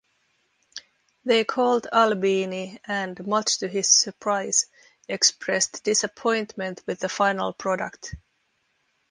They called Albini and, much to his surprise, expressed disappointment with the final product.